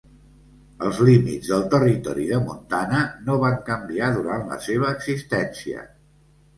Els límits del territori de Montana no van canviar durant la seva existència.